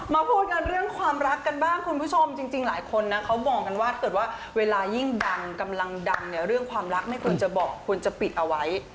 พูดกันเรื่องความรักกันบ้างคุณผู้ชมจริงหลายคนนะเขาบอกกันว่าเกิดว่าเวลายิ่งดังกำลังดังเนี่ยเรื่องความรักไม่ควรจะบอกควรจะปิดเอาไว้